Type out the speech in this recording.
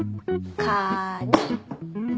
カニ。